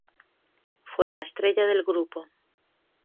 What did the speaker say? Fue la estrella del grupo.